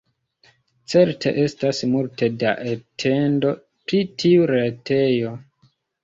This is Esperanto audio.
Certe estas multe da atendo pri tiu retejo.